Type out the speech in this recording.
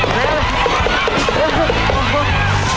เท้านั่น